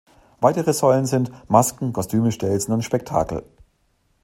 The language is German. Weitere „Säulen“ sind: Masken, Kostüme, Stelzen und Spektakel.